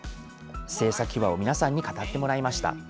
制作秘話を皆さんに語ってもらいました。